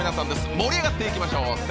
盛り上がっていきましょう。